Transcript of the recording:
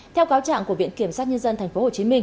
theo cáo trạng của viện kiểm sát nhân dân tp hcm